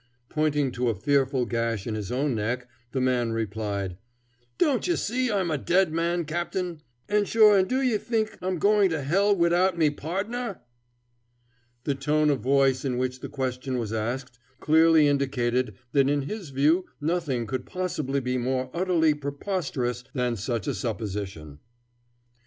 Pointing to a fearful gash in his own neck, the man replied, "Don't ye see I'm a dead man, captain? An' sure an' do ye think I'm goin' to hell widout me pardner?" The tone of voice in which the question was asked clearly indicated that in his view nothing could possibly be more utterly preposterous than such a supposition.